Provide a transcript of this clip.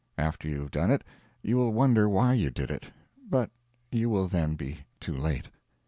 After you have done it, you will wonder why you did it; but you will then be too late.